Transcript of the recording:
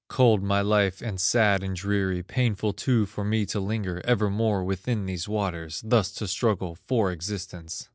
"Cold my life and sad and dreary, Painful too for me to linger Evermore within these waters, Thus to struggle for existence!